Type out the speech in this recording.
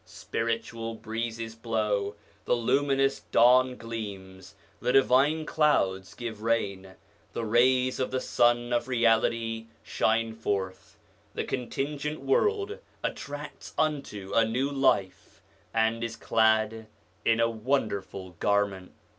Spiritual breezes blow, the luminous dawn gleams, the divine clouds give rain, the rays of the Sun of Reality shine forth, the contingent world attains unto a new life, and is clad in a wonderful garment.